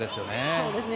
そうですね。